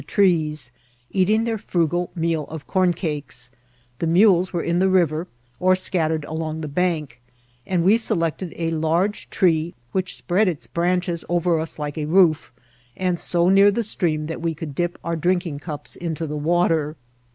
47 the trees, eating their frugal meal of corn cakes ; the mules were in the river, or scattered along the bank ; and we selected a large tree, which spread its branches over us like a roof, and so near the stream that we could dip our drinking cups into the water.